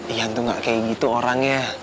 ian tuh gak kayak gitu orangnya